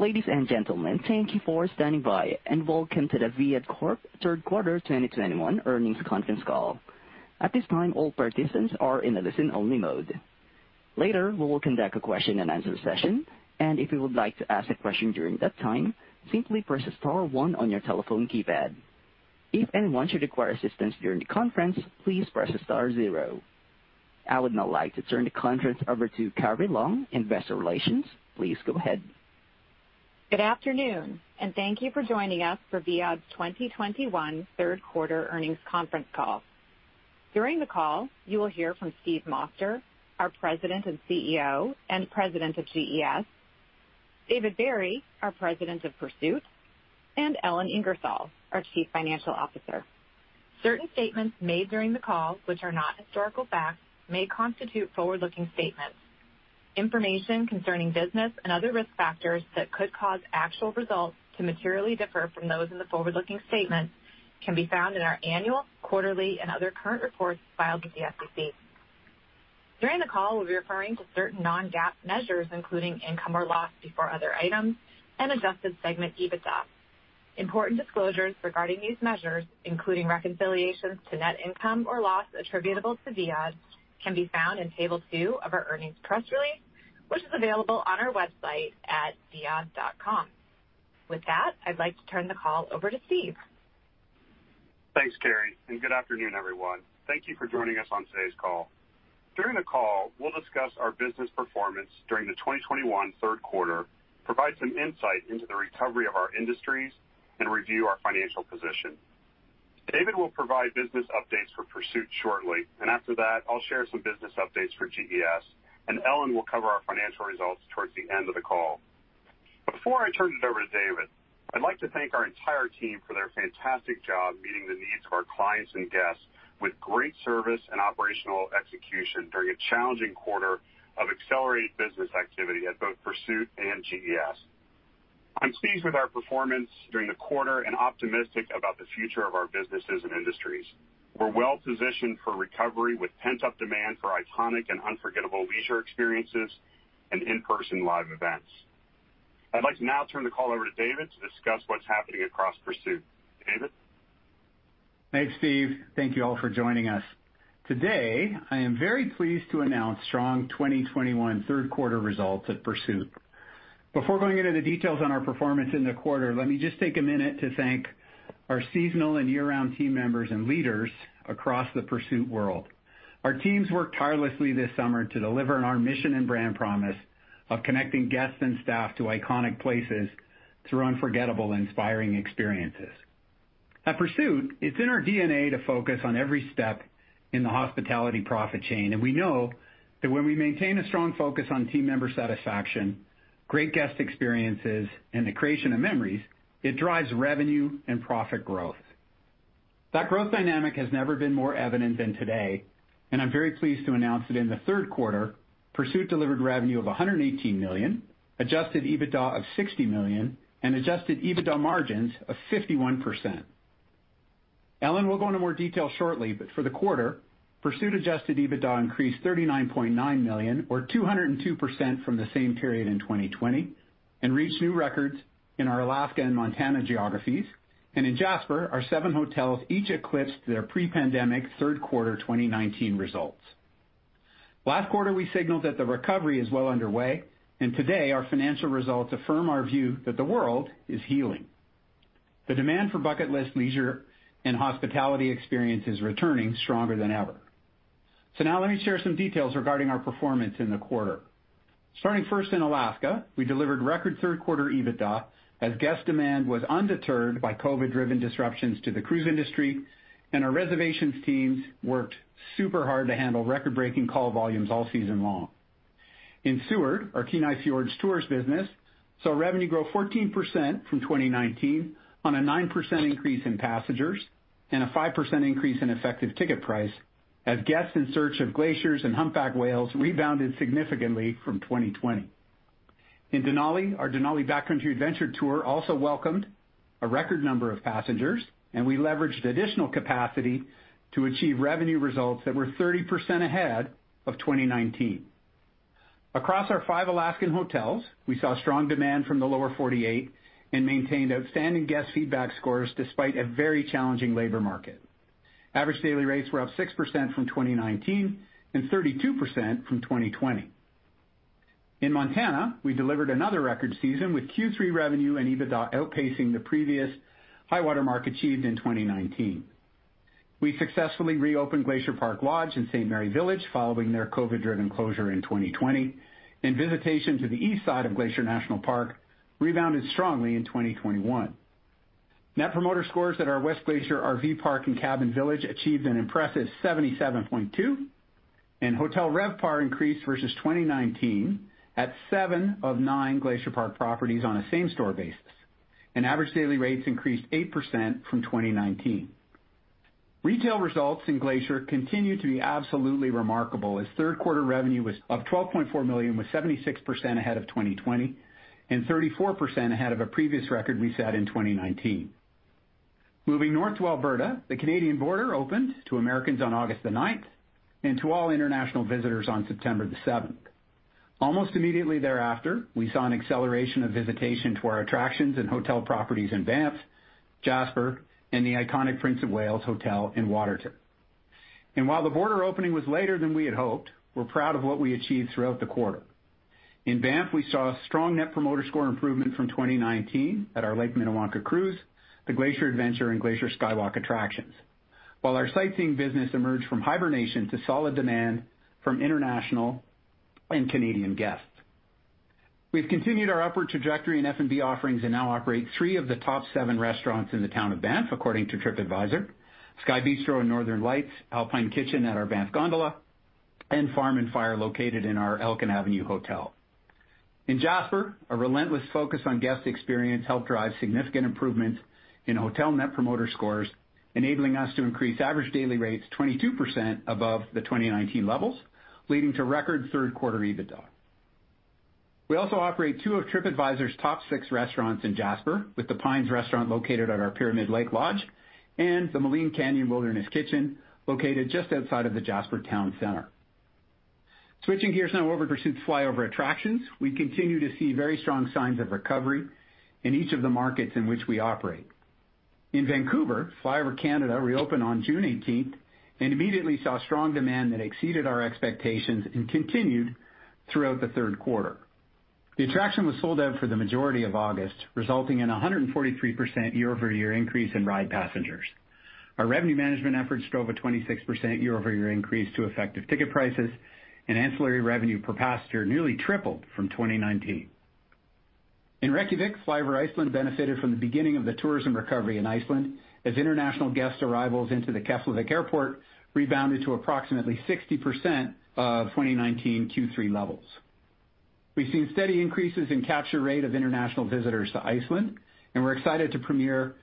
Ladies and gentlemen, thank you for standing by, and welcome to the Viad Corp third quarter 2021 earnings conference call. At this time, all participants are in a listen-only mode. Later, we will conduct a question-and-answer session, and if you would like to ask a question during that time, simply press star one on your telephone keypad. If anyone should require assistance during the conference, please press star zero. I would now like to turn the conference over to Carrie Long, Investor Relations. Please go ahead. Good afternoon, and thank you for joining us for Viad's 2021 third quarter earnings conference call. During the call, you will hear from Steve Moster, our President and CEO, and President of GES, David Barry, our President of Pursuit, and Ellen Ingersoll, our Chief Financial Officer. Certain statements made during the call which are not historical facts may constitute forward-looking statements. Information concerning business and other risk factors that could cause actual results to materially differ from those in the forward-looking statements can be found in our annual, quarterly and other current reports filed with the SEC. During the call, we'll be referring to certain non-GAAP measures, including income or loss before other items and adjusted segment EBITDA. Important disclosures regarding these measures, including reconciliations to net income or loss attributable to Viad, can be found in table two of our earnings press release, which is available on our website at viad.com. With that, I'd like to turn the call over to Steve. Thanks, Carrie, and good afternoon, everyone. Thank you for joining us on today's call. During the call, we'll discuss our business performance during the 2021 third quarter, provide some insight into the recovery of our industries, and review our financial position. David will provide business updates for Pursuit shortly, and after that I'll share some business updates for GES, and Ellen will cover our financial results towards the end of the call. Before I turn it over to David, I'd like to thank our entire team for their fantastic job meeting the needs of our clients and guests with great service and operational execution during a challenging quarter of accelerated business activity at both Pursuit and GES. I'm pleased with our performance during the quarter and optimistic about the future of our businesses and industries. We're well positioned for recovery with pent-up demand for iconic and unforgettable leisure experiences and in-person live events. I'd like to now turn the call over to David to discuss what's happening across Pursuit. David? Thanks, Steve. Thank you all for joining us. Today, I am very pleased to announce strong 2021 third quarter results at Pursuit. Before going into the details on our performance in the quarter, let me just take a minute to thank our seasonal and year-round team members and leaders across the Pursuit world. Our teams worked tirelessly this summer to deliver on our mission and brand promise of connecting guests and staff to iconic places through unforgettable and inspiring experiences. At Pursuit, it's in our DNA to focus on every step in the hospitality profit chain, and we know that when we maintain a strong focus on team member satisfaction, great guest experiences, and the creation of memories, it drives revenue and profit growth. That growth dynamic has never been more evident than today, and I'm very pleased to announce that in the third quarter, Pursuit delivered revenue of $118 million, adjusted EBITDA of $60 million, and adjusted EBITDA margins of 51%. Ellen will go into more detail shortly, but for the quarter, Pursuit adjusted EBITDA increased $39.9 million or 202% from the same period in 2020, and reached new records in our Alaska and Montana geographies. In Jasper, our seven hotels each eclipsed their pre-pandemic third quarter 2019 results. Last quarter, we signaled that the recovery is well underway, and today our financial results affirm our view that the world is healing. The demand for bucket list leisure and hospitality experience is returning stronger than ever. Now let me share some details regarding our performance in the quarter. Starting first in Alaska, we delivered record third quarter EBITDA as guest demand was undeterred by COVID driven disruptions to the cruise industry, and our reservations teams worked super hard to handle record-breaking call volumes all season long. In Seward, our Kenai Fjords Tours business saw revenue grow 14% from 2019 on a 9% increase in passengers and a 5% increase in effective ticket price as guests in search of glaciers and humpback whales rebounded significantly from 2020. In Denali, our Denali Backcountry Adventure tour also welcomed a record number of passengers, and we leveraged additional capacity to achieve revenue results that were 30% ahead of 2019. Across our five Alaskan hotels, we saw strong demand from the lower 48 and maintained outstanding guest feedback scores despite a very challenging labor market. Average daily rates were up 6% from 2019 and 32% from 2020. In Montana, we delivered another record season with Q3 revenue and EBITDA outpacing the previous high water mark achieved in 2019. We successfully reopened Glacier Park Lodge in St. Mary Village following their COVID driven closure in 2020, and visitation to the east side of Glacier National Park rebounded strongly in 2021. Net Promoter scores at our West Glacier RV Park & Cabins achieved an impressive 77.2, and hotel RevPAR increased versus 2019 at seven of nine Glacier Park properties on a same store basis, and average daily rates increased 8% from 2019. Retail results in Glacier continue to be absolutely remarkable as third quarter revenue was up $12.4 million, with 76% ahead of 2020 and 34% ahead of a previous record we set in 2019. Moving north to Alberta, the Canadian border opened to Americans on August 9, and to all international visitors on September 7. Almost immediately thereafter, we saw an acceleration of visitation to our attractions and hotel properties in Banff, Jasper, and the iconic Prince of Wales Hotel in Waterton. While the border opening was later than we had hoped, we're proud of what we achieved throughout the quarter. In Banff, we saw a strong Net Promoter score improvement from 2019 at our Lake Minnewanka Cruise, the Glacier Adventure, and Glacier Skywalk attractions, while our sightseeing business emerged from hibernation to solid demand from international and Canadian guests. We've continued our upward trajectory in F&B offerings and now operate three of the top seven restaurants in the town of Banff, according to Tripadvisor, Sky Bistro and Northern Lights Alpine Kitchen at our Banff Gondola, and Farm & Fire, located in our Elk + Avenue Hotel. In Jasper, a relentless focus on guest experience helped drive significant improvements in hotel Net Promoter scores, enabling us to increase average daily rates 22% above the 2019 levels, leading to record third quarter EBITDA. We also operate two of Tripadvisor's top six restaurants in Jasper, with The Pines Restaurant located at our Pyramid Lake Lodge, and the Maligne Canyon Wilderness Kitchen located just outside of the Jasper town center. Switching gears now over to Pursuit's FlyOver attractions, we continue to see very strong signs of recovery in each of the markets in which we operate. In Vancouver, FlyOver Canada reopened on June 18 and immediately saw strong demand that exceeded our expectations and continued throughout the third quarter. The attraction was sold out for the majority of August, resulting in a 143% year-over-year increase in ride passengers. Our revenue management efforts drove a 26% year-over-year increase to effective ticket prices, and ancillary revenue per passenger nearly tripled from 2019. In Reykjavík, FlyOver Iceland benefited from the beginning of the tourism recovery in Iceland as international guest arrivals into the Keflavík Airport rebounded to approximately 60% of 2019 Q3 levels. We've seen steady increases in capture rate of international visitors to Iceland, and we're excited to premiere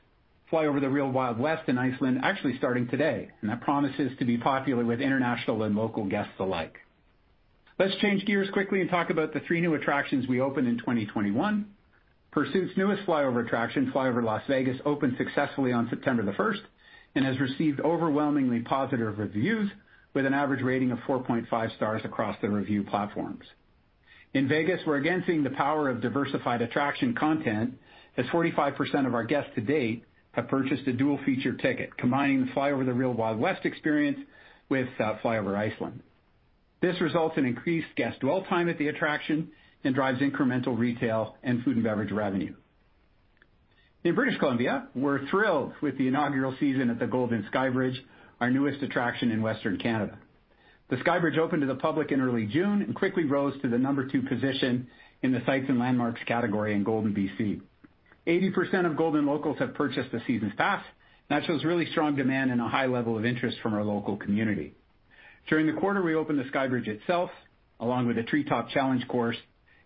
FlyOver The Real Wild West in Iceland actually starting today, and that promises to be popular with international and local guests alike. Let's change gears quickly and talk about the three new attractions we opened in 2021. Pursuit's newest FlyOver attraction, FlyOver Las Vegas, opened successfully on September 1 and has received overwhelmingly positive reviews, with an average rating of 4.5 stars across the review platforms. In Vegas, we're again seeing the power of diversified attraction content, as 45% of our guests to date have purchased a dual-feature ticket, combining the FlyOver The Real Wild West experience with FlyOver Iceland. This results in increased guest dwell time at the attraction and drives incremental retail and food and beverage revenue. In British Columbia, we're thrilled with the inaugural season at the Golden Skybridge, our newest attraction in Western Canada. The Skybridge opened to the public in early June and quickly rose to the number two position in the sights and landmarks category in Golden, BC. 80% of Golden locals have purchased a season pass. That shows really strong demand and a high level of interest from our local community. During the quarter, we opened the Golden Skybridge itself, along with the Canyon Edge Challenge Course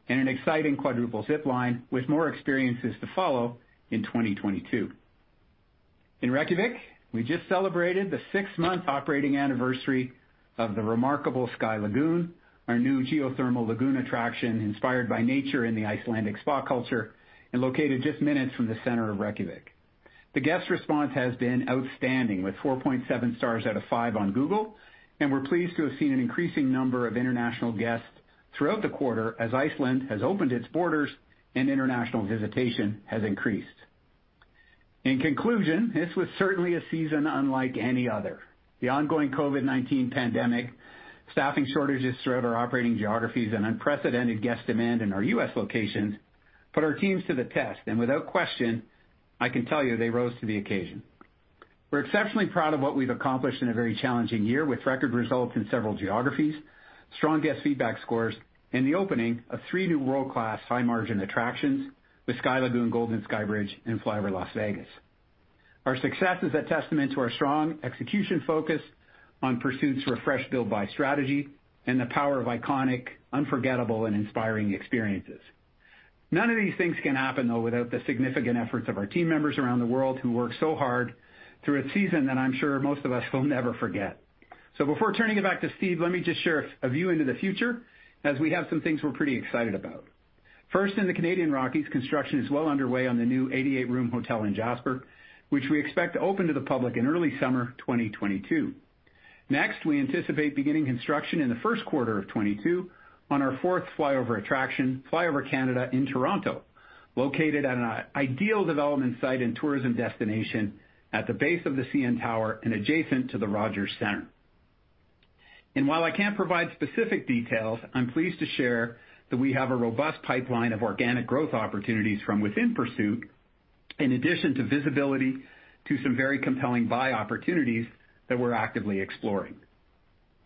and an exciting quadruple zip line, with more experiences to follow in 2022. In Reykjavík, we just celebrated the six-month operating anniversary of the remarkable Sky Lagoon, our new geothermal lagoon attraction inspired by nature in the Icelandic spa culture and located just minutes from the center of Reykjavík. The guest response has been outstanding, with 4.7 stars out of five on Google, and we're pleased to have seen an increasing number of international guests throughout the quarter as Iceland has opened its borders and international visitation has increased. In conclusion, this was certainly a season unlike any other. The ongoing COVID-19 pandemic, staffing shortages throughout our operating geographies, and unprecedented guest demand in our U.S. locations put our teams to the test, and without question, I can tell you they rose to the occasion. We're exceptionally proud of what we've accomplished in a very challenging year with record results in several geographies, strong guest feedback scores, and the opening of three new world-class high-margin attractions with Sky Lagoon, Golden Skybridge, and FlyOver Las Vegas. Our success is a testament to our strong execution focus on Pursuit's Refresh, Build, Buy strategy and the power of iconic, unforgettable, and inspiring experiences. None of these things can happen, though, without the significant efforts of our team members around the world who work so hard through a season that I'm sure most of us will never forget. Before turning it back to Steve, let me just share a view into the future as we have some things we're pretty excited about. First, in the Canadian Rockies, construction is well underway on the new 88-room hotel in Jasper, which we expect to open to the public in early summer 2022. Next, we anticipate beginning construction in the first quarter of 2022 on our fourth FlyOver attraction, FlyOver Canada in Toronto, located at an ideal development site and tourism destination at the base of the CN Tower and adjacent to the Rogers Centre. While I can't provide specific details, I'm pleased to share that we have a robust pipeline of organic growth opportunities from within Pursuit, in addition to visibility to some very compelling buy opportunities that we're actively exploring.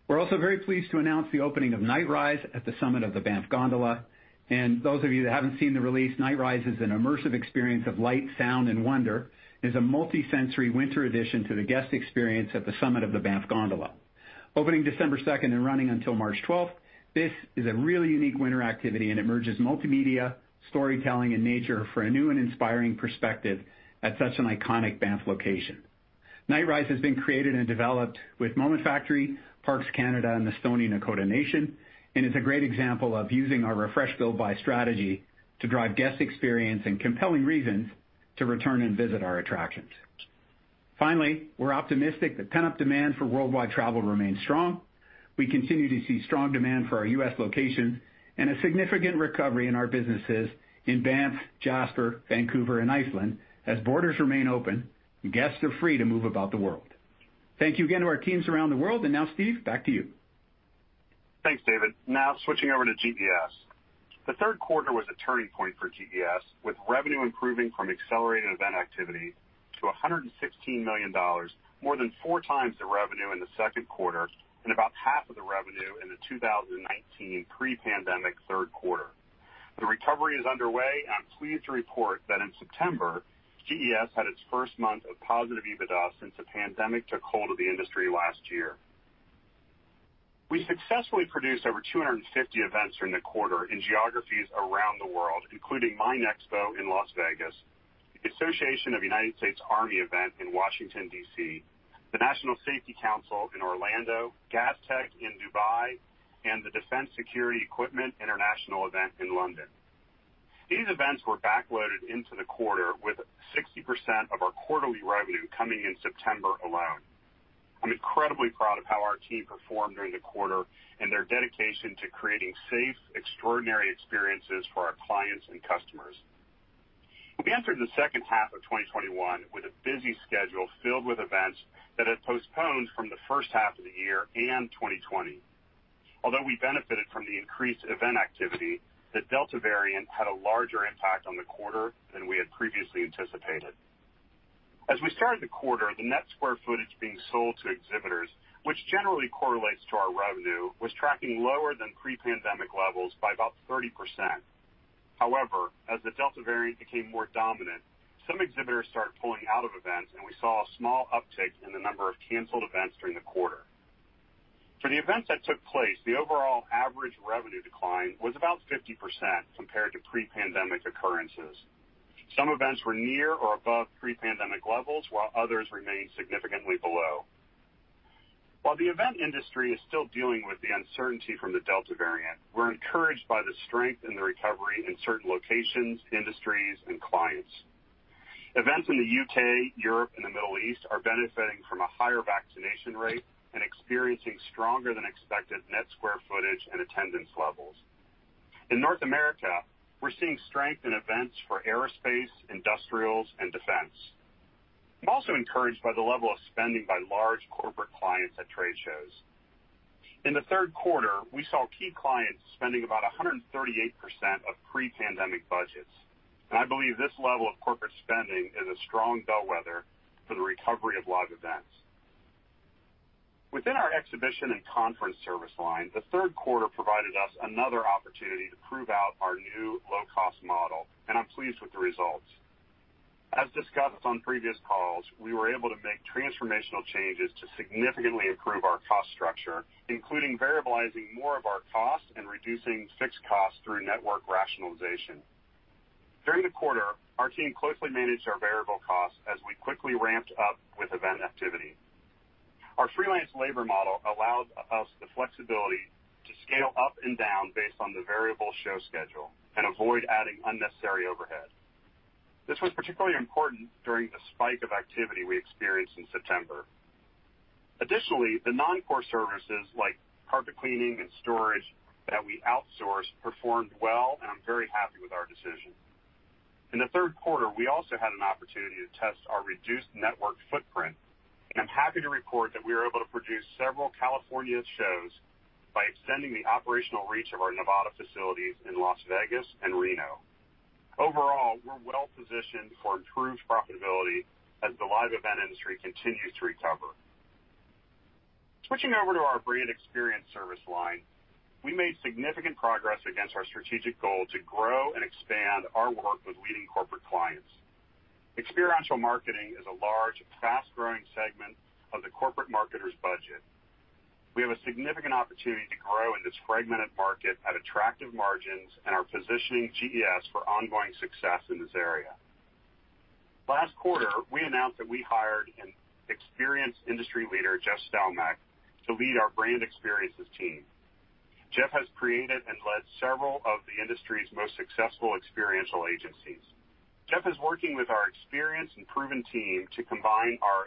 We're also very pleased to announce the opening of Nightrise at the summit of the Banff Gondola. Those of you that haven't seen the release, Nightrise is an immersive experience of light, sound, and wonder, and is a multi-sensory winter addition to the guest experience at the summit of the Banff Gondola. Opening December 2 and running until March 12, this is a really unique winter activity, and it merges multimedia, storytelling, and nature for a new and inspiring perspective at such an iconic Banff location. Nightrise has been created and developed with Moment Factory, Parks Canada, and the Stoney Nakoda Nation, and is a great example of using our refresh, build-buy strategy to drive guest experience and compelling reasons to return and visit our attractions. We're optimistic that pent-up demand for worldwide travel remains strong. We continue to see strong demand for our U.S. locations and a significant recovery in our businesses in Banff, Jasper, Vancouver, and Iceland as borders remain open and guests are free to move about the world. Thank you again to our teams around the world. Now, Steve, back to you. Thanks, David. Now, switching over to GES. The third quarter was a turning point for GES, with revenue improving from accelerated event activity to $116 million, more than four times the revenue in the second quarter and about half of the revenue in the 2019 pre-pandemic third quarter. The recovery is underway, and I'm pleased to report that in September, GES had its first month of positive EBITDA since the pandemic took hold of the industry last year. We successfully produced over 250 events during the quarter in geographies around the world, including MINExpo in Las Vegas, the Association of the United States Army event in Washington, D.C., the National Safety Council in Orlando, Gastech in Dubai, and the Defence and Security Equipment International event in London. These events were backloaded into the quarter, with 60% of our quarterly revenue coming in September alone. I'm incredibly proud of how our team performed during the quarter and their dedication to creating safe, extraordinary experiences for our clients and customers. We entered the second half of 2021 with a busy schedule filled with events that had postponed from the first half of the year and 2020. Although we benefited from the increased event activity, the Delta variant had a larger impact on the quarter than we had previously anticipated. As we started the quarter, the net square footage being sold to exhibitors, which generally correlates to our revenue, was tracking lower than pre-pandemic levels by about 30%. However, as the Delta variant became more dominant, some exhibitors started pulling out of events, and we saw a small uptick in the number of canceled events during the quarter. For the events that took place, the overall average revenue decline was about 50% compared to pre-pandemic occurrences. Some events were near or above pre-pandemic levels, while others remained significantly below. While the event industry is still dealing with the uncertainty from the Delta variant, we're encouraged by the strength in the recovery in certain locations, industries, and clients. Events in the U.K., Europe, and the Middle East are benefiting from a higher vaccination rate and experiencing stronger than expected net square footage and attendance levels. In North America, we're seeing strength in events for aerospace, industrials, and defense. I'm also encouraged by the level of spending by large corporate clients at trade shows. In the third quarter, we saw key clients spending about 138% of pre-pandemic budgets, and I believe this level of corporate spending is a strong bellwether for the recovery of live events. Within our exhibition and conference service line, the third quarter provided us another opportunity to prove out our new low-cost model, and I'm pleased with the results. As discussed on previous calls, we were able to make transformational changes to significantly improve our cost structure, including variabilizing more of our costs and reducing fixed costs through network rationalization. During the quarter, our team closely managed our variable costs as we quickly ramped up with event activity. Our freelance labor model allows us the flexibility to scale up and down based on the variable show schedule and avoid adding unnecessary overhead. This was particularly important during the spike of activity we experienced in September. Additionally, the non-core services like carpet cleaning and storage that we outsource performed well, and I'm very happy with our decision. In the third quarter, we also had an opportunity to test our reduced network footprint, and I'm happy to report that we were able to produce several California shows by extending the operational reach of our Nevada facilities in Las Vegas and Reno. Overall, we're well-positioned for improved profitability as the live event industry continues to recover. Switching over to our brand experience service line, we made significant progress against our strategic goal to grow and expand our work with leading corporate clients. Experiential marketing is a large, fast-growing segment of the corporate marketer's budget. We have a significant opportunity to grow in this fragmented market at attractive margins and are positioning GES for ongoing success in this area. Last quarter, we announced that we hired an experienced industry leader, Jeff Stelmach, to lead our brand experiences team. Jeff has created and led several of the industry's most successful experiential agencies. Jeff is working with our experienced and proven team to combine our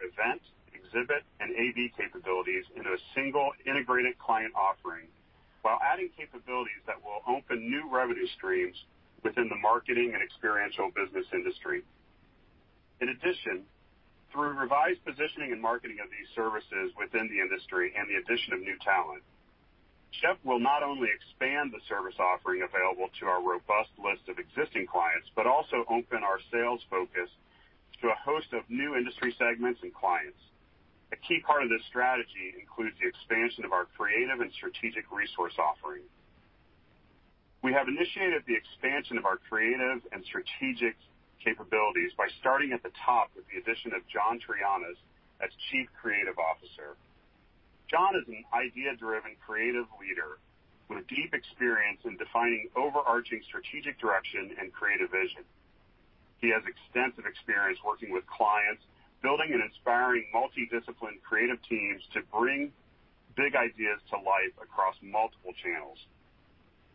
event, exhibit, and AV capabilities into a single integrated client offering while adding capabilities that will open new revenue streams within the marketing and experiential business industry. In addition, through revised positioning and marketing of these services within the industry and the addition of new talent, Jeff will not only expand the service offering available to our robust list of existing clients, but also open our sales focus to a host of new industry segments and clients. A key part of this strategy includes the expansion of our creative and strategic resource offerings. We have initiated the expansion of our creative and strategic capabilities by starting at the top with the addition of John Trinanes as Chief Creative Officer. John is an idea-driven creative leader with deep experience in defining overarching strategic direction and creative vision. He has extensive experience working with clients, building and inspiring multi-disciplined creative teams to bring big ideas to life across multiple channels.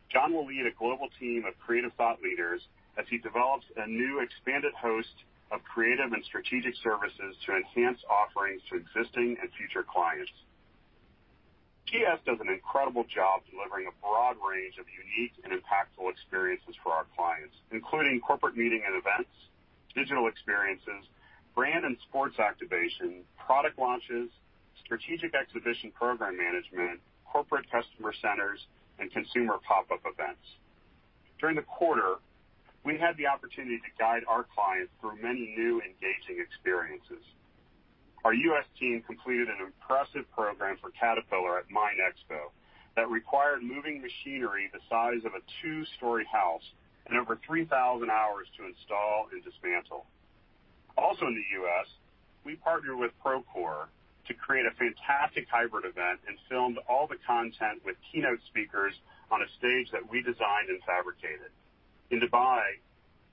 John will lead a global team of creative thought leaders as he develops a new expanded host of creative and strategic services to enhance offerings to existing and future clients. GES does an incredible job delivering a broad range of unique and impactful experiences for our clients, including corporate meeting and events, digital experiences, brand and sports activation, product launches, strategic exhibition program management, corporate customer centers, and consumer pop-up events. During the quarter, we had the opportunity to guide our clients through many new engaging experiences. Our U.S. team completed an impressive program for Caterpillar at MINExpo that required moving machinery the size of a two-story house and over 3,000 hours to install and dismantle. Also in the U.S., we partnered with Procore to create a fantastic hybrid event and filmed all the content with keynote speakers on a stage that we designed and fabricated. In Dubai,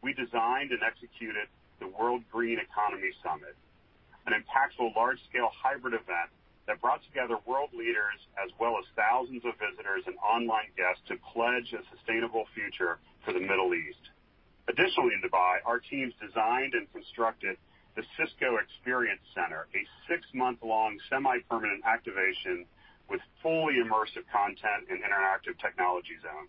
we designed and executed the World Green Economy Summit, an impactful large-scale hybrid event that brought together world leaders as well as thousands of visitors and online guests to pledge a sustainable future for the Middle East. Additionally, in Dubai, our teams designed and constructed the Cisco Experience Center, a six-month-long semi-permanent activation with fully immersive content and interactive technology zone.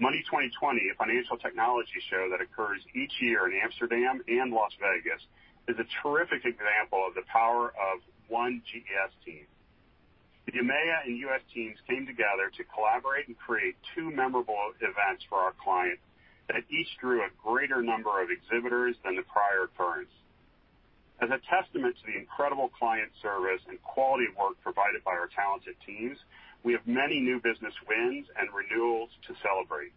Money20/20, a financial technology show that occurs each year in Amsterdam and Las Vegas, is a terrific example of the power of one GES team. The EMEA and US teams came together to collaborate and create two memorable events for our clients that each drew a greater number of exhibitors than the prior occurrence. As a testament to the incredible client service and quality of work provided by our talented teams, we have many new business wins and renewals to celebrate.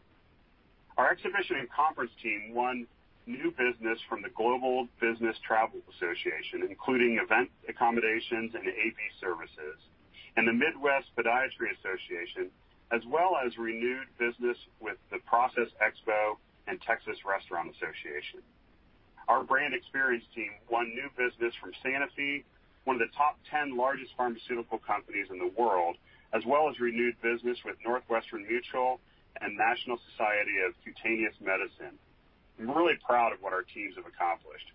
Our exhibition and conference team won new business from the Global Business Travel Association, including event accommodations and AV services, and the Midwest Podiatry Conference, as well as renewed business with the Process Expo and Texas Restaurant Association. Our brand experience team won new business from Sanofi, one of the top 10 largest pharmaceutical companies in the world, as well as renewed business with Northwestern Mutual and National Society for Cutaneous Medicine. I'm really proud of what our teams have accomplished.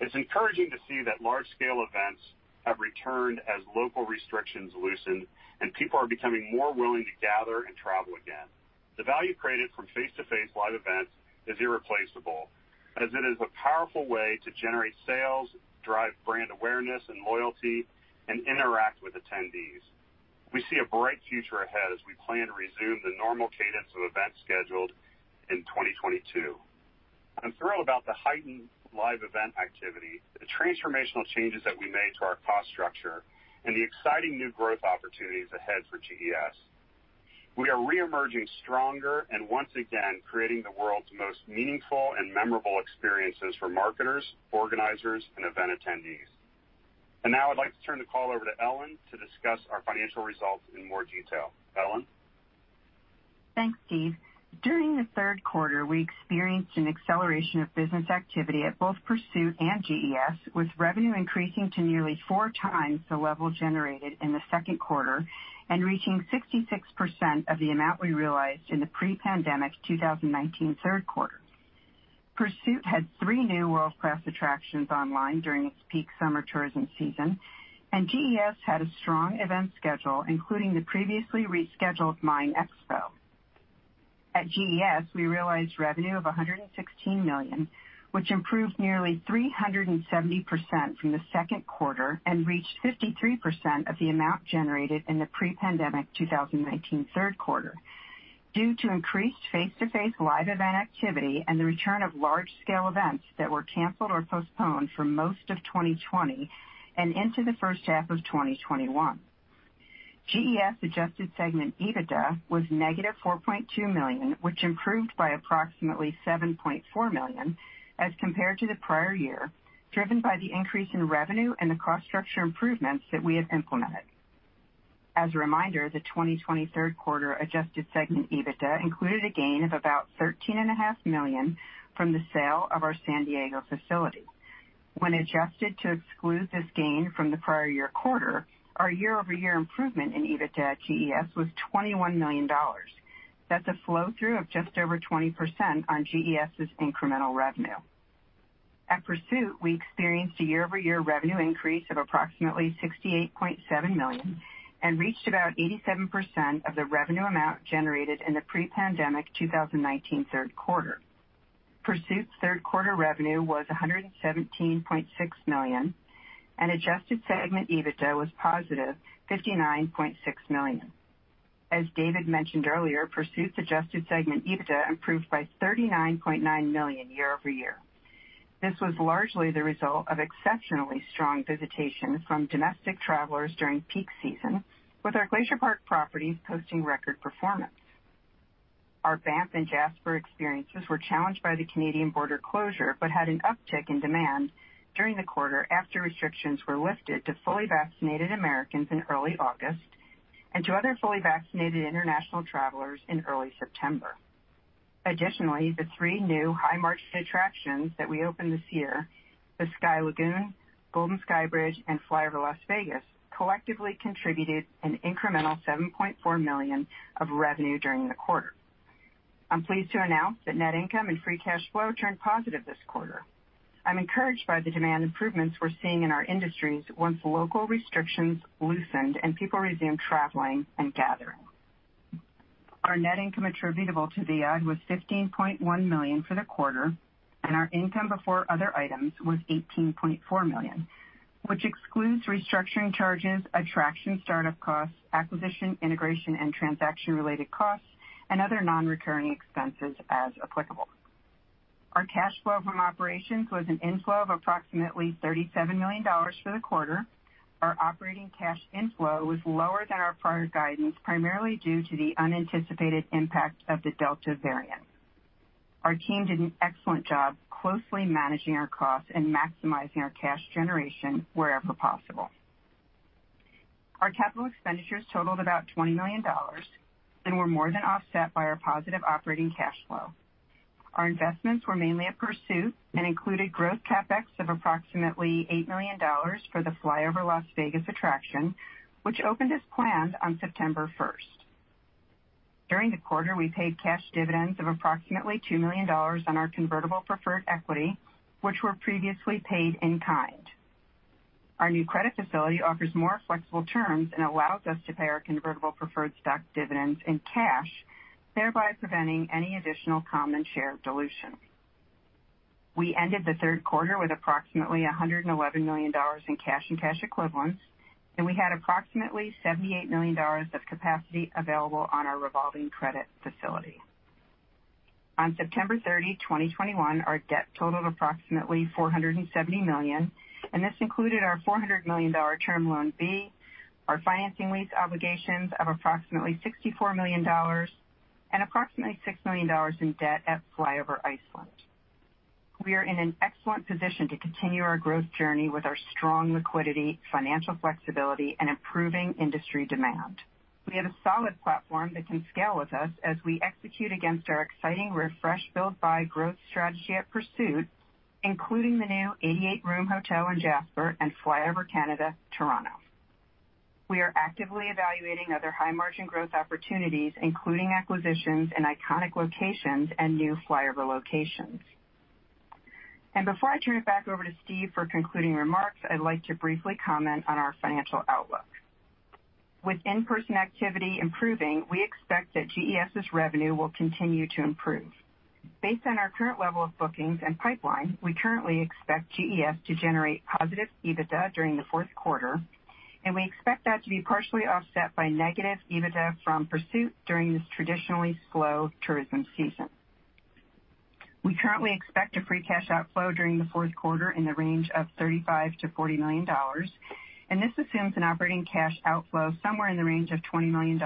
It's encouraging to see that large-scale events have returned as local restrictions loosen and people are becoming more willing to gather and travel again. The value created from face to face live events is irreplaceable, as it is a powerful way to generate sales, drive brand awareness and loyalty, and interact with attendees. We see a bright future ahead as we plan to resume the normal cadence of events scheduled in 2022. I'm thrilled about the heightened live event activity, the transformational changes that we made to our cost structure, and the exciting new growth opportunities ahead for GES. We are re-emerging stronger and once again creating the world's most meaningful and memorable experiences for marketers, organizers, and event attendees. Now I'd like to turn the call over to Ellen to discuss our financial results in more detail. Ellen? Thanks, Steve. During the third quarter, we experienced an acceleration of business activity at both Pursuit and GES, with revenue increasing to nearly four times the level generated in the second quarter and reaching 66% of the amount we realized in the pre-pandemic 2019 third quarter. Pursuit had three new world-class attractions online during its peak summer tourism season, and GES had a strong event schedule, including the previously rescheduled MINExpo. At GES, we realized revenue of $116 million, which improved nearly 370% from the second quarter and reached 53% of the amount generated in the pre-pandemic 2019 third quarter due to increased face-to-face live event activity and the return of large-scale events that were canceled or postponed for most of 2020 and into the first half of 2021. GES adjusted segment EBITDA was negative $4.2 million, which improved by approximately $7.4 million as compared to the prior year, driven by the increase in revenue and the cost structure improvements that we have implemented. As a reminder, the 2023 third quarter adjusted segment EBITDA included a gain of about $13.5 million from the sale of our San Diego facility. When adjusted to exclude this gain from the prior year quarter, our year-over-year improvement in EBITDA at GES was $21 million. That's a flow-through of just over 20% on GES' incremental revenue. At Pursuit, we experienced a year-over-year revenue increase of approximately $68.7 million and reached about 87% of the revenue amount generated in the pre-pandemic 2019 third quarter. Pursuit's third quarter revenue was $117.6 million, and adjusted segment EBITDA was $59.6 million. As David mentioned earlier, Pursuit's adjusted segment EBITDA improved by $39.9 million year over year. This was largely the result of exceptionally strong visitation from domestic travelers during peak season, with our Glacier Park properties posting record performance. Our Banff and Jasper experiences were challenged by the Canadian border closure, but had an uptick in demand during the quarter after restrictions were lifted to fully vaccinated Americans in early August, and to other fully vaccinated international travelers in early September. Additionally, the three new high-margin attractions that we opened this year, the Sky Lagoon, Golden Skybridge, and FlyOver Las Vegas, collectively contributed an incremental $7.4 million of revenue during the quarter. I'm pleased to announce that net income and free cash flow turned positive this quarter. I'm encouraged by the demand improvements we're seeing in our industries once local restrictions loosened and people resumed traveling and gathering. Our net income attributable to Viad was $15.1 million for the quarter, and our income before other items was $18.4 million, which excludes restructuring charges, attraction startup costs, acquisition, integration, and transaction-related costs, and other non-recurring expenses as applicable. Our cash flow from operations was an inflow of approximately $37 million for the quarter. Our operating cash inflow was lower than our prior guidance, primarily due to the unanticipated impact of the Delta variant. Our team did an excellent job closely managing our costs and maximizing our cash generation wherever possible. Our capital expenditures totaled about $20 million and were more than offset by our positive operating cash flow. Our investments were mainly at Pursuit and included growth CapEx of approximately $8 million for the FlyOver Las Vegas attraction, which opened as planned on September 1. During the quarter, we paid cash dividends of approximately $2 million on our convertible preferred equity, which were previously paid in kind. Our new credit facility offers more flexible terms and allows us to pay our convertible preferred stock dividends in cash, thereby preventing any additional common share dilution. We ended the third quarter with approximately $111 million in cash and cash equivalents, and we had approximately $78 million of capacity available on our revolving credit facility. On September 30, 2021, our debt totaled approximately $470 million, and this included our $400 million Term Loan B, our financing lease obligations of approximately $64 million, and approximately $6 million in debt at FlyOver Iceland. We are in an excellent position to continue our growth journey with our strong liquidity, financial flexibility, and improving industry demand. We have a solid platform that can scale with us as we execute against our exciting refresh, build, buy growth strategy at Pursuit, including the new 88-room hotel in Jasper and FlyOver Canada, Toronto. We are actively evaluating other high-margin growth opportunities, including acquisitions in iconic locations and new FlyOver locations. Before I turn it back over to Steve for concluding remarks, I'd like to briefly comment on our financial outlook. With in-person activity improving, we expect that GES' revenue will continue to improve. Based on our current level of bookings and pipeline, we currently expect GES to generate positive EBITDA during the fourth quarter, and we expect that to be partially offset by negative EBITDA from Pursuit during this traditionally slow tourism season. We currently expect a free cash outflow during the fourth quarter in the range of $35 million-$40 million, and this assumes an operating cash outflow somewhere in the range of $20 million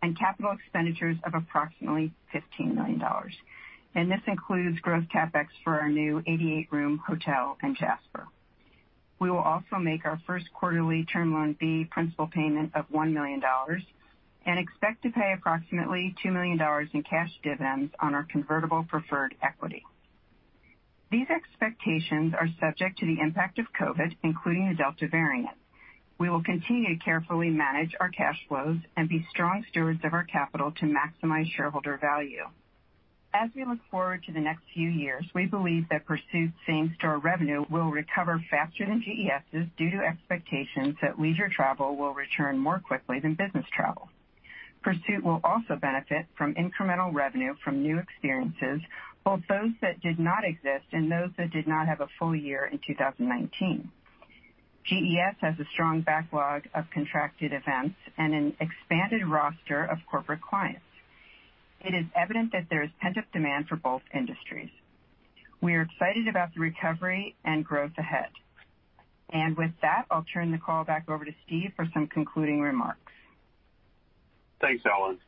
and capital expenditures of approximately $15 million. This includes growth CapEx for our new 88-room hotel in Jasper. We will also make our first quarterly Term Loan B principal payment of $1 million, and expect to pay approximately $2 million in cash dividends on our convertible preferred equity. These expectations are subject to the impact of COVID, including the Delta variant. We will continue to carefully manage our cash flows and be strong stewards of our capital to maximize shareholder value. As we look forward to the next few years, we believe that Pursuit same store revenue will recover faster than GES' due to expectations that leisure travel will return more quickly than business travel. Pursuit will also benefit from incremental revenue from new experiences, both those that did not exist and those that did not have a full-year in 2019. GES has a strong backlog of contracted events and an expanded roster of corporate clients. It is evident that there is pent-up demand for both industries. We are excited about the recovery and growth ahead. With that, I'll turn the call back over to Steve for some concluding remarks. Thanks, Ellen.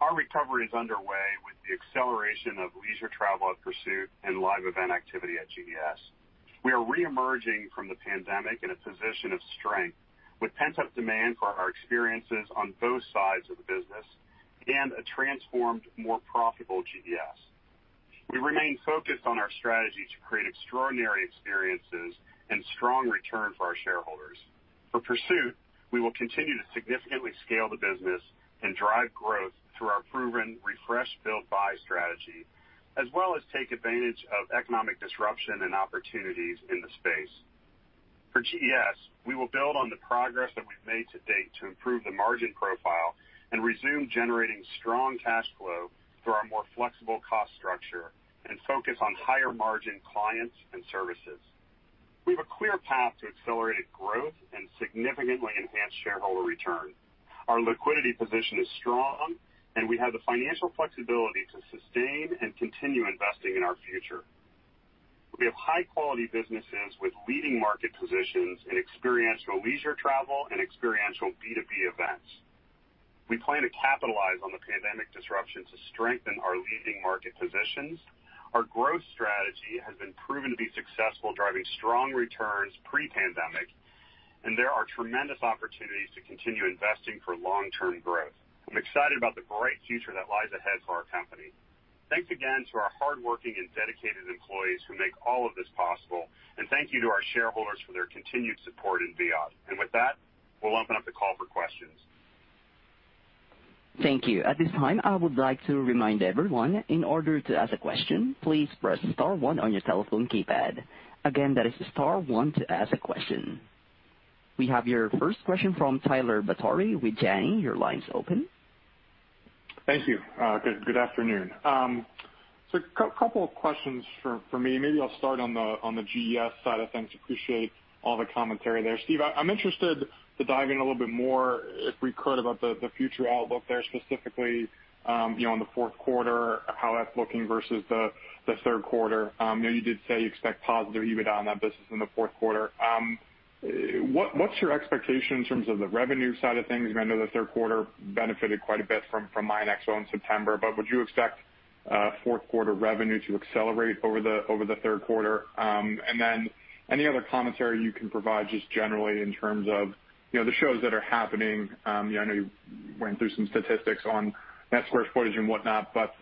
Our recovery is underway with the acceleration of leisure travel at Pursuit and live event activity at GES. We are re-emerging from the pandemic in a position of strength with pent-up demand for our experiences on both sides of the business and a transformed, more profitable GES. We remain focused on our strategy to create extraordinary experiences and strong return for our shareholders. For Pursuit, we will continue to significantly scale the business and drive growth through our proven refresh, build, buy strategy, as well as take advantage of economic disruption and opportunities in the space. For GES, we will build on the progress that we've made to date to improve the margin profile and resume generating strong cash flow through our more flexible cost structure and focus on higher margin clients and services. We have a clear path to accelerated growth and significantly enhanced shareholder return. Our liquidity position is strong, and we have the financial flexibility to sustain and continue investing in our future. We have high quality businesses with leading market positions in experiential leisure travel and experiential B2B events. We plan to capitalize on the pandemic disruption to strengthen our leading market positions. Our growth strategy has been proven to be successful, driving strong returns pre-pandemic, and there are tremendous opportunities to continue investing for long-term growth. I'm excited about the great future that lies ahead for our company. Thanks again to our hardworking and dedicated employees who make all of this possible, and thank you to our shareholders for their continued support in Viad. With that, we'll open up the call for questions. Thank you. At this time, I would like to remind everyone, in order to ask a question, please press star one on your telephone keypad. Again, that is star one to ask a question. We have your first question from Tyler Batory with Janney. Your line is open. Thank you. Good afternoon. Couple of questions from me. Maybe I'll start on the GES side of things. Appreciate all the commentary there. Steve Moster, I'm interested to dive in a little bit more, if we could, about the future outlook there specifically, you know, in the fourth quarter, how that's looking versus the third quarter. I know you did say you expect positive EBITDA on that business in the fourth quarter. What's your expectation in terms of the revenue side of things? I know the third quarter benefited quite a bit from MINExpo in September, but would you expect fourth quarter revenue to accelerate over the third quarter? Any other commentary you can provide just generally in terms of, you know, the shows that are happening. You know, I know you went through some statistics on net square footage and whatnot, but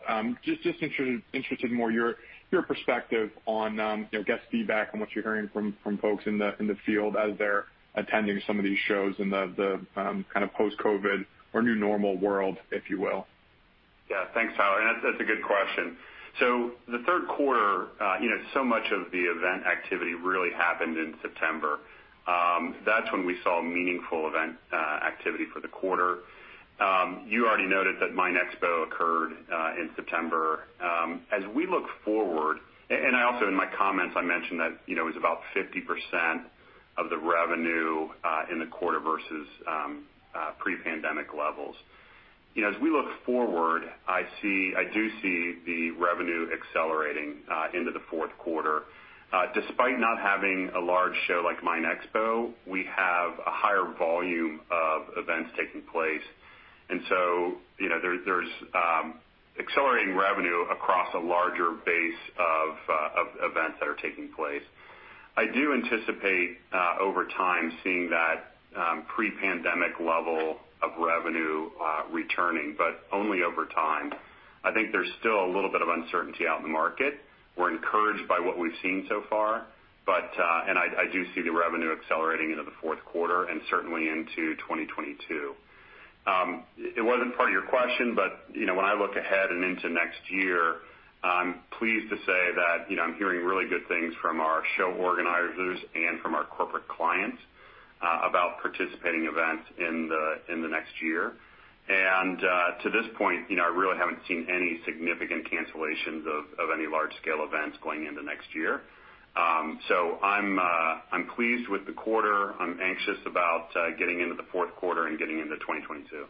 just interested in more of your perspective on, you know, guest feedback and what you're hearing from folks in the field as they're attending some of these shows in the kind of post-COVID or new normal world, if you will. Yeah. Thanks, Tyler, and that's a good question. The third quarter, you know, so much of the event activity really happened in September. That's when we saw meaningful event activity for the quarter. You already noted that MINExpo occurred in September. As we look forward and I also in my comments, I mentioned that, you know, it was about 50% of the revenue in the quarter versus pre-pandemic levels. You know, as we look forward, I do see the revenue accelerating into the fourth quarter. Despite not having a large show like MINExpo, we have a higher volume of events taking place. You know, there's accelerating revenue across a larger base of events that are taking place. I do anticipate over time seeing that pre-pandemic level of revenue returning, but only over time. I think there's still a little bit of uncertainty out in the market. We're encouraged by what we've seen so far, but I do see the revenue accelerating into the fourth quarter and certainly into 2022. It wasn't part of your question, but you know, when I look ahead and into next year, I'm pleased to say that you know, I'm hearing really good things from our show organizers and from our corporate clients about participating events in the next year. To this point, you know, I really haven't seen any significant cancellations of any large scale events going into next year. I'm pleased with the quarter. I'm anxious about getting into the fourth quarter and getting into 2022.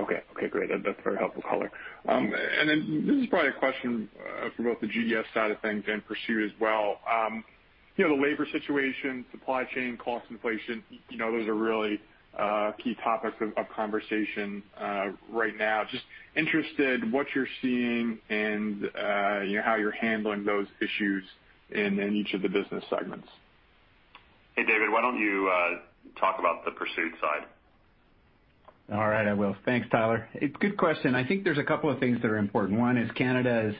Okay, great. That's very helpful color. This is probably a question for both the GES side of things and Pursuit as well. You know, the labor situation, supply chain cost inflation, you know, those are really key topics of conversation right now. I'm just interested what you're seeing and, you know, how you're handling those issues in each of the business segments. Hey, David, why don't you talk about the Pursuit side? All right, I will. Thanks, Tyler. It's a good question. I think there's a couple of things that are important. One is Canada is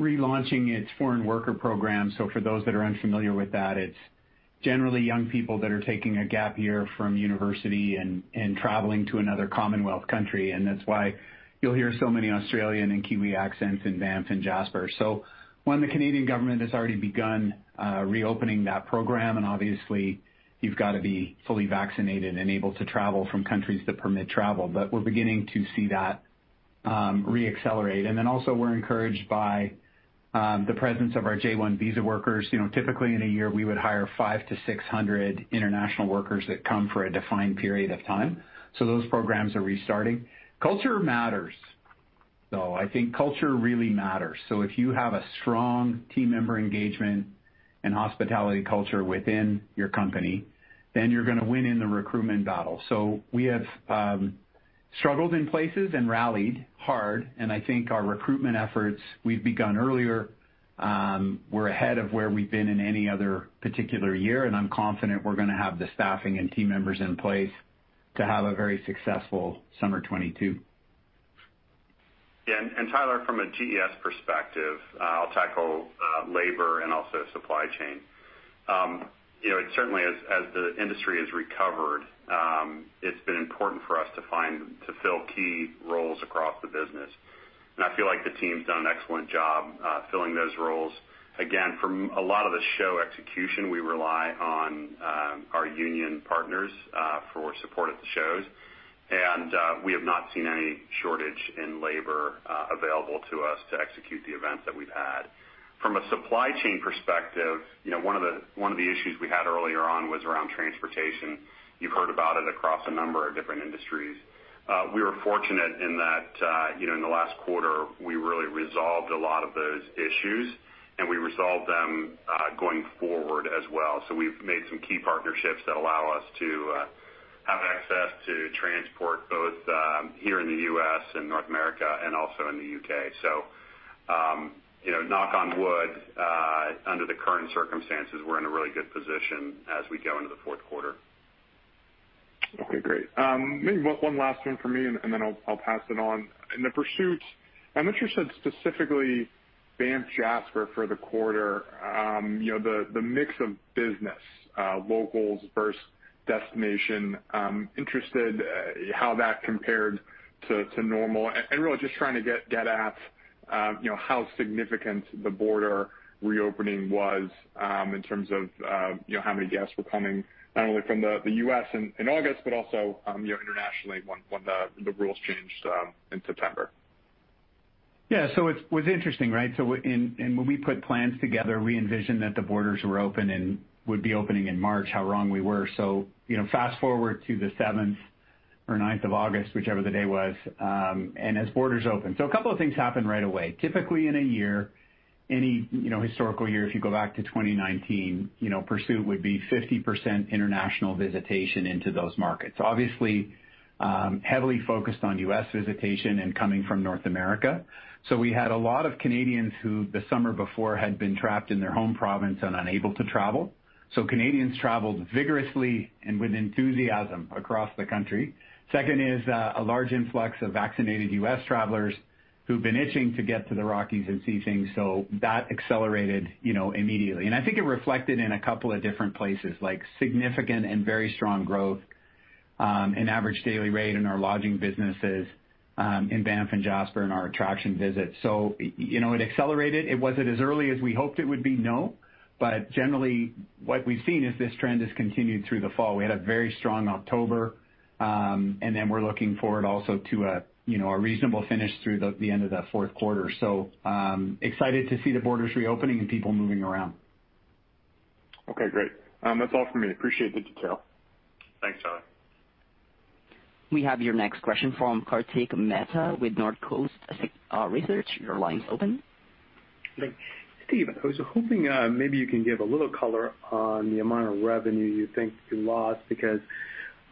relaunching its foreign worker program, so for those that are unfamiliar with that, it's generally young people that are taking a gap year from university and traveling to another Commonwealth country, and that's why you'll hear so many Australian and Kiwi accents in Banff and Jasper. One, the Canadian government has already begun reopening that program, and obviously you've got to be fully vaccinated and able to travel from countries that permit travel. We're beginning to see that re-accelerate. We're encouraged by the presence of our J-1 visa workers. You know, typically in a year, we would hire 500 to 600 international workers that come for a defined period of time. Those programs are restarting. Culture matters, though. I think culture really matters. If you have a strong team member engagement and hospitality culture within your company, then you're gonna win in the recruitment battle. We have struggled in places and rallied hard, and I think our recruitment efforts we've begun earlier were ahead of where we've been in any other particular year, and I'm confident we're gonna have the staffing and team members in place to have a very successful summer 2022. Yeah. Tyler, from a GES perspective, I'll tackle labor and also supply chain. You know, certainly as the industry has recovered, it's been important for us to fill key roles across the business, and I feel like the team's done an excellent job filling those roles. Again, from a lot of the show execution, we rely on our union partners for support at the shows. We have not seen any shortage in labor available to us to execute the events that we've had. From a supply chain perspective, you know, one of the issues we had earlier on was around transportation. You've heard about it across a number of different industries. We were fortunate in that, you know, in the last quarter, we really resolved a lot of those issues and we resolved them going forward as well. We've made some key partnerships that allow us to have access to transport both here in the U.S. and North America and also in the U.K. You know, knock on wood, under the current circumstances, we're in a really good position as we go into the fourth quarter. Okay, great. Maybe one last one for me, and then I'll pass it on. In the Pursuit, I'm interested specifically Banff, Jasper for the quarter. You know, the mix of business, locals versus destination. I'm interested how that compared to normal. Really just trying to get at, you know, how significant the border reopening was, in terms of, you know, how many guests were coming, not only from the U.S. in August, but also, you know, internationally when the rules changed, in September. It was interesting, right? When we put plans together, we envisioned that the borders were open and would be opening in March. How wrong we were. Fast-forward to the seventh or ninth of August, whichever the day was, and as borders opened. A couple of things happened right away. Typically in a year, any historical year, if you go back to 2019, Pursuit would be 50% international visitation into those markets, obviously, heavily focused on U.S. visitation and coming from North America. We had a lot of Canadians who the summer before had been trapped in their home province and unable to travel. Canadians traveled vigorously and with enthusiasm across the country. Second is a large influx of vaccinated U.S. travelers who've been itching to get to the Rockies and see things. That accelerated, you know, immediately. I think it reflected in a couple of different places, like significant and very strong growth in average daily rate in our lodging businesses in Banff and Jasper in our attraction visits. You know, it accelerated. Was it as early as we hoped it would be? No. Generally, what we've seen is this trend has continued through the fall. We had a very strong October, and then we're looking forward also to a, you know, a reasonable finish through the end of the fourth quarter. Excited to see the borders reopening and people moving around. Okay, great. That's all for me. Appreciate the detail. Thanks, Tyler. We have your next question from Kartik Mehta with Northcoast Research. Your line's open. Thanks. Steve, I was hoping maybe you can give a little color on the amount of revenue you think you lost because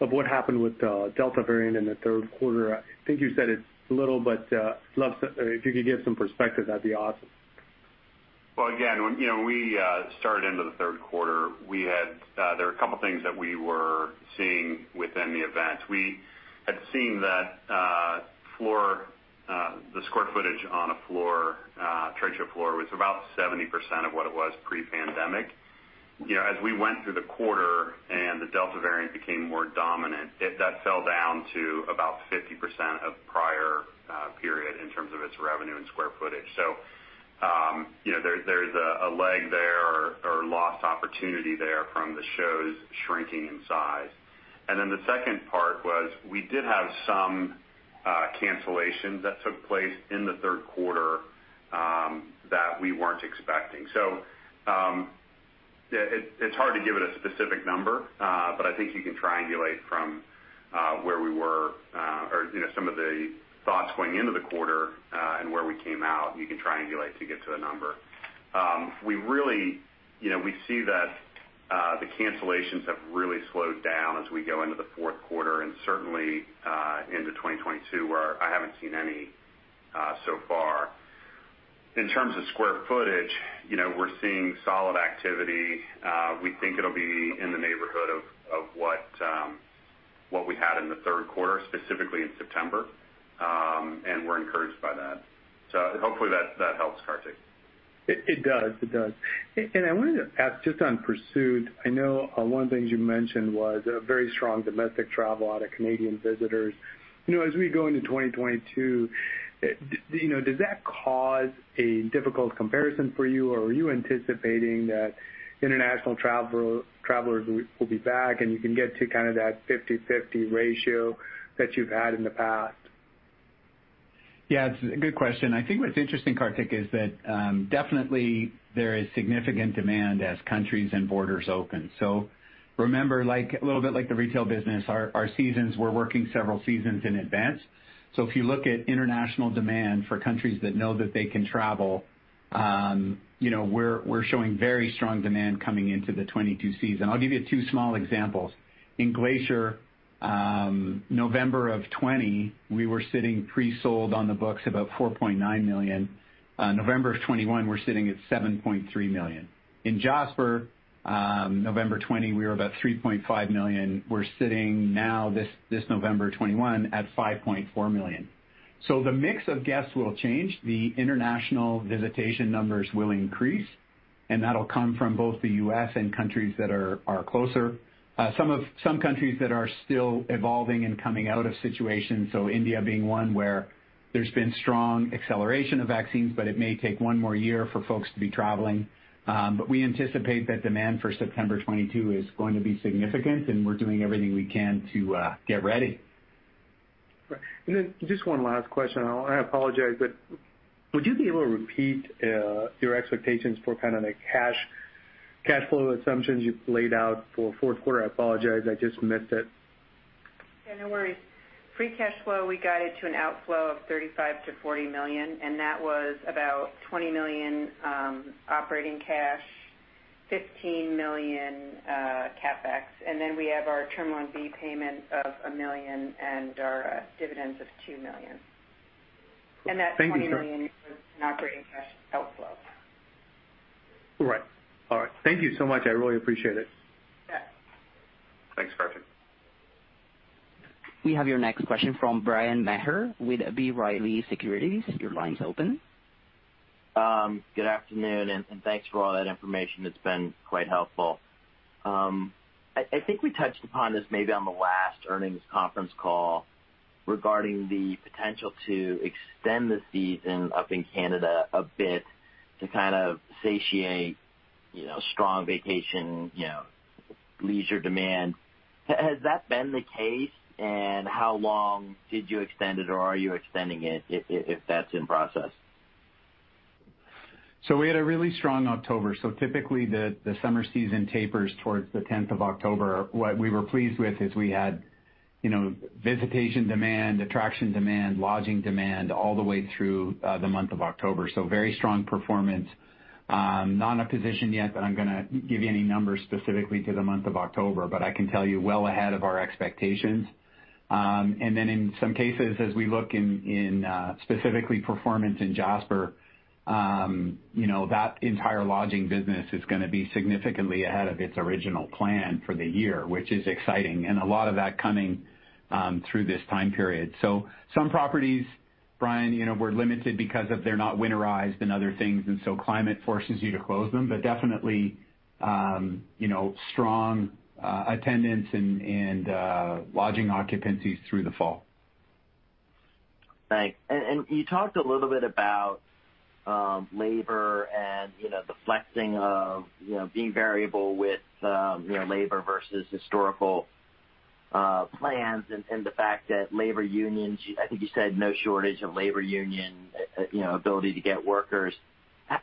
of what happened with the Delta variant in the third quarter. I think you said it's little, but if you could give some perspective, that'd be awesome. Well, again, when you know we started into the third quarter, there were a couple of things that we were seeing within the events. We had seen that the square footage on a trade show floor was about 70% of what it was pre-pandemic. You know, as we went through the quarter and the Delta variant became more dominant, that fell down to about 50% of prior period in terms of its revenue and square footage. You know, there's a lag there or lost opportunity there from the shows shrinking in size. The second part was we did have some cancellations that took place in the third quarter that we weren't expecting. Yeah, it's hard to give it a specific number, but I think you can triangulate from where we were, or, you know, some of the thoughts going into the quarter, and where we came out, and you can triangulate to get to a number. We really, you know, we see that the cancellations have really slowed down as we go into the fourth quarter and certainly into 2022, where I haven't seen any so far. In terms of square footage, you know, we're seeing solid activity. We think it'll be in the neighborhood of what we had in the third quarter, specifically in September, and we're encouraged by that. Hopefully that helps, Kartik. It does. I wanted to ask just on Pursuit. I know one of the things you mentioned was a very strong domestic travel out of Canadian visitors. You know, as we go into 2022, you know, does that cause a difficult comparison for you, or are you anticipating that international travelers will be back and you can get to kind of that 50/50 ratio that you've had in the past? Yeah, it's a good question. I think what's interesting, Kartik, is that definitely there is significant demand as countries and borders open. Remember, like, a little bit like the retail business, our seasons, we're working several seasons in advance. If you look at international demand for countries that know that they can travel, you know, we're showing very strong demand coming into the 2022 season. I'll give you two small examples. In Glacier, November 2020, we were sitting pre-sold on the books about $4.9 million. November 2021, we're sitting at $7.3 million. In Jasper, November 2020, we were about $3.5 million. We're sitting now this November 2021 at $5.4 million. The mix of guests will change. The international visitation numbers will increase, and that'll come from both the U.S. and countries that are closer. Some countries that are still evolving and coming out of situations, so India being one where there's been strong acceleration of vaccines, but it may take one more year for folks to be traveling. We anticipate that demand for September 2022 is going to be significant, and we're doing everything we can to get ready. Right. Just one last question, and I apologize, but would you be able to repeat your expectations for kind of the cash flow assumptions you've laid out for fourth quarter? I apologize, I just missed it. Yeah, no worries. Free cash flow, we guided to an outflow of $35 million-$40 million, and that was about $20 million operating cash, $15 million CapEx. We have our term loan B payment of $1 million and our dividends of $2 million. Thank you. That $20 million was an operating cash outflow. Right. All right. Thank you so much. I really appreciate it. Yeah. Thanks, Kartik. We have your next question from Bryan Maher with B. Riley Securities. Your line's open. Good afternoon, and thanks for all that information. It's been quite helpful. I think we touched upon this maybe on the last earnings conference call regarding the potential to extend the season up in Canada a bit to kind of satiate, you know, strong vacation, you know, leisure demand. Has that been the case, and how long did you extend it or are you extending it if that's in process? We had a really strong October. Typically, the summer season tapers towards the tenth of October. What we were pleased with is we had, you know, visitation demand, attraction demand, lodging demand all the way through the month of October. Very strong performance. Not in a position yet that I'm gonna give you any numbers specifically to the month of October, but I can tell you well ahead of our expectations. In some cases, as we look in specifically performance in Jasper, you know, that entire lodging business is gonna be significantly ahead of its original plan for the year, which is exciting, and a lot of that coming through this time period. Some properties, Bryan, you know, were limited because they're not winterized and other things, and climate forces you to close them. Definitely, you know, strong attendance and lodging occupancies through the fall. Thanks. You talked a little bit about labor and, you know, the flexing of, you know, being variable with labor versus historical plans and the fact that labor unions, I think you said no shortage of labor union ability to get workers.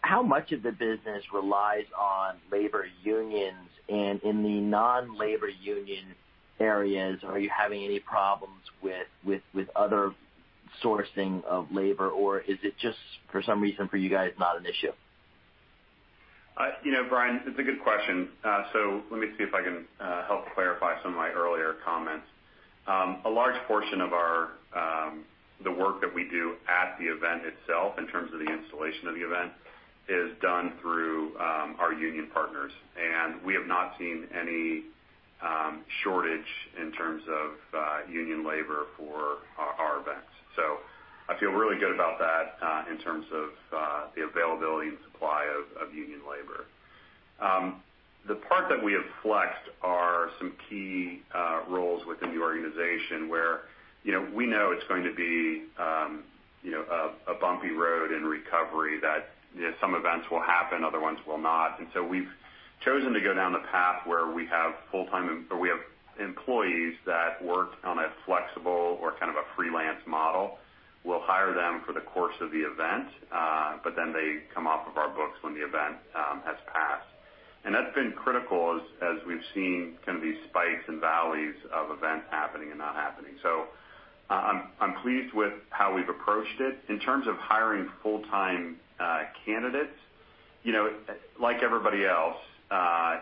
How much of the business relies on labor unions? In the non-labor union areas, are you having any problems with other sourcing of labor, or is it just for some reason for you guys not an issue? You know, Bryan, it's a good question. Let me see if I can help clarify some of my earlier comments. A large portion of our the work that we do at the event itself in terms of the installation of the event is done through our union partners, and we have not seen any shortage in terms of union labor for our events. I feel really good about that in terms of the availability and supply of union labor. The part that we have flexed are some key roles within the organization where you know we know it's going to be you know a bumpy road in recovery that some events will happen, other ones will not. We've chosen to go down the path where we have employees that work on a flexible or kind of a freelance model. We'll hire them for the course of the event, but then they come off of our books when the event has passed. That's been critical as we've seen kind of these spikes and valleys of events happening and not happening. I'm pleased with how we've approached it. In terms of hiring full-time candidates, you know, like everybody else,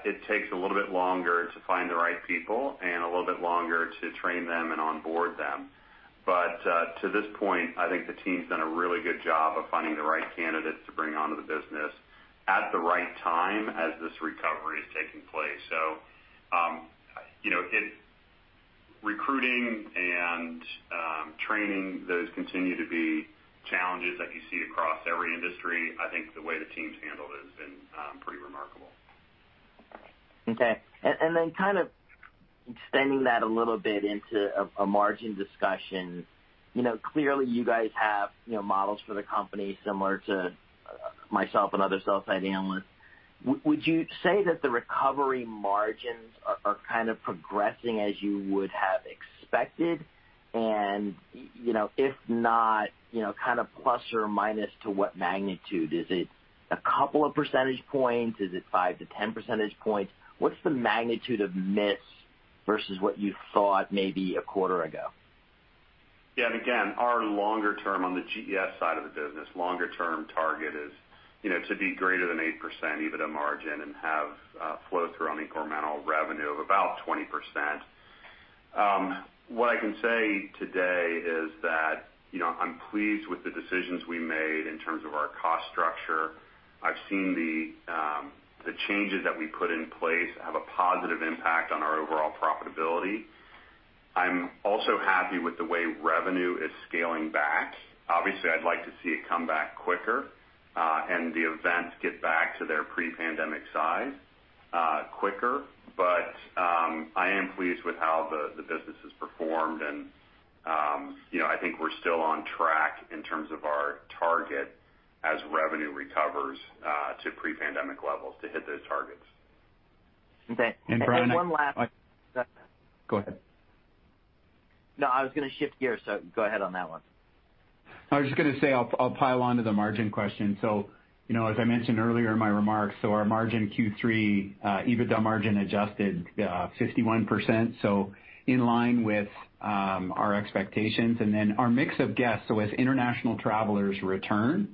it takes a little bit longer to find the right people and a little bit longer to train them and onboard them. To this point, I think the team's done a really good job of finding the right candidates to bring onto the business at the right time as this recovery is taking place. You know, recruiting and training, those continue to be challenges like you see across every industry. I think the way the team's handled it has been pretty remarkable. Okay. Kind of extending that a little bit into a margin discussion. You know, clearly you guys have, you know, models for the company similar to myself and other sell-side analysts. Would you say that the recovery margins are kind of progressing as you would have expected? You know, if not, you know, kind of plus or minus to what magnitude? Is it a couple of percentage points? Is it 5-10 percentage points? What's the magnitude of miss versus what you thought maybe a quarter ago? Again, our longer term on the GES side of the business, longer term target is, you know, to be greater than 8% EBITDA margin and have flow through on incremental revenue of about 20%. What I can say today is that, you know, I'm pleased with the decisions we made in terms of our cost structure. I've seen the changes that we put in place have a positive impact on our overall profitability. I'm also happy with the way revenue is scaling back. Obviously, I'd like to see it come back quicker and the events get back to their pre-pandemic size quicker. I am pleased with how the business has performed and, you know, I think we're still on track in terms of our target as revenue recovers to pre-pandemic levels to hit those targets. Okay. One last- Bryan, go ahead. No, I was gonna shift gears, so go ahead on that one. I was just gonna say I'll pile on to the margin question. You know, as I mentioned earlier in my remarks, our Q3 adjusted EBITDA margin 51%, in line with our expectations. Our mix of guests, as international travelers return,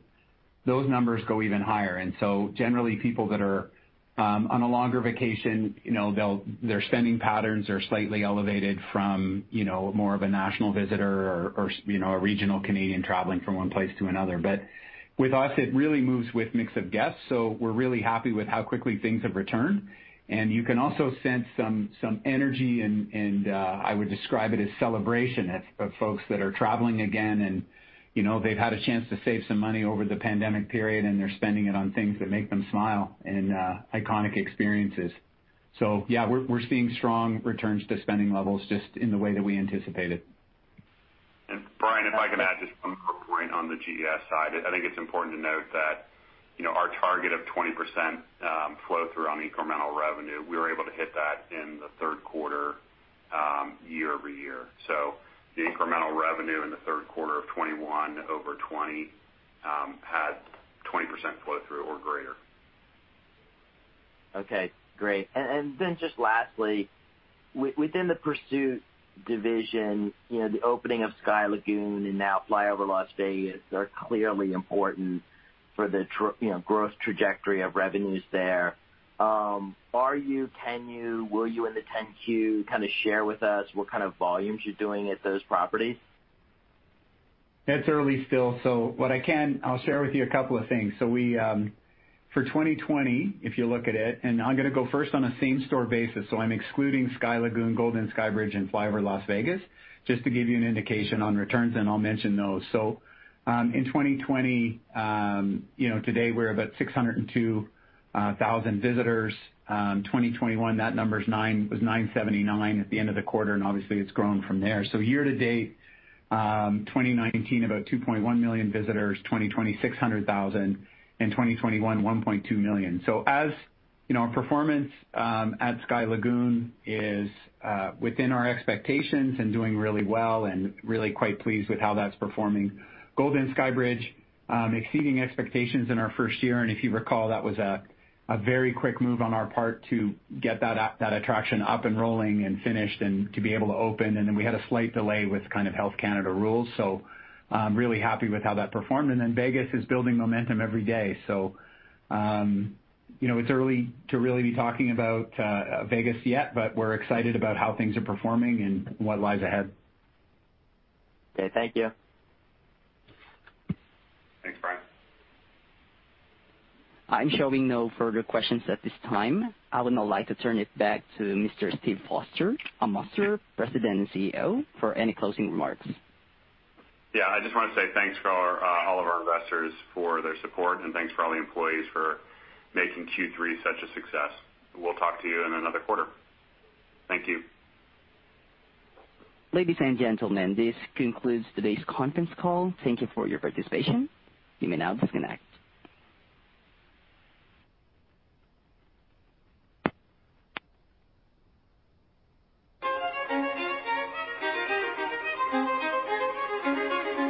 those numbers go even higher. Generally, people that are on a longer vacation, you know, they'll, their spending patterns are slightly elevated from, you know, more of a national visitor or you know, a regional Canadian traveling from one place to another. With us, it really moves with mix of guests, we're really happy with how quickly things have returned. You can also sense some energy and I would describe it as celebration of folks that are traveling again and, you know, they've had a chance to save some money over the pandemic period, and they're spending it on things that make them smile and iconic experiences. Yeah, we're seeing strong returns to spending levels just in the way that we anticipated. Bryan, if I could add just one more point on the GES side. I think it's important to note that, you know, our target of 20% flow through on the incremental revenue, we were able to hit that in the third quarter, year-over-year. The incremental revenue in the third quarter of 2021 over 2020 had 20% flow through or greater. Okay, great. Then just lastly, within the Pursuit division, you know, the opening of Sky Lagoon and now FlyOver Las Vegas are clearly important for the, you know, growth trajectory of revenues there. Will you in the 10-Q kinda share with us what kind of volumes you're doing at those properties? It's early still, so what I can, I'll share with you a couple of things. We for 2020, if you look at it, and I'm gonna go first on a same-store basis, so I'm excluding Sky Lagoon, Golden Skybridge, and FlyOver Las Vegas, just to give you an indication on returns, and I'll mention those. In 2020, you know, today we're aboout 602,000 visitors. 2021, that number was 979 at the end of the quarter, and obviously it's grown from there. Year to date, 2019 about 2.1 million visitors, 2020 600,000, and 2021 1.2 million. As you know, our performance at Sky Lagoon is within our expectations and doing really well and really quite pleased with how that's performing. Golden Skybridge exceeding expectations in our first year, and if you recall, that was a very quick move on our part to get that attraction up and rolling and finished and to be able to open. We had a slight delay with kind of Health Canada rules. Really happy with how that performed. Vegas is building momentum every day. You know, it's early to really be talking about Vegas yet, but we're excited about how things are performing and what lies ahead. Okay, thank you. Thanks, Bryan. I'm showing no further questions at this time. I would now like to turn it back to Mr. Steve Moster, our President and CEO, for any closing remarks. Yeah, I just wanna say thanks to all of our investors for their support and thanks to all the employees for making Q3 such a success. We'll talk to you in another quarter. Thank you. Ladies and gentlemen, this concludes today's conference call. Thank you for your participation. You may now disconnect.